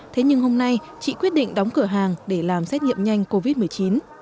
thế nhưng hôm nay chị quyết định đóng cửa hàng để làm xét nghiệm nhanh covid một mươi chín